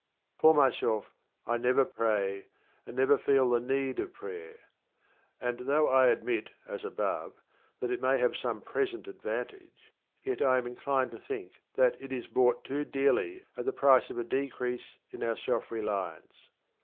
For myself, I never pray, and never feel the need of prayer. And though I admit, as above, that it may have some present advantage, yet I am inclined to think that it is bought too dearly at the price of a decrease in our self reliance.